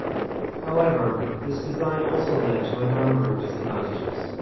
However, this design also led to a number of disadvantages.